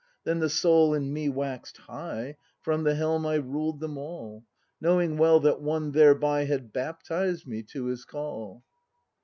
Then the soul in me wax'd high; From the helm I ruled them all. Knowing well that One thereby Had baptized me to His call!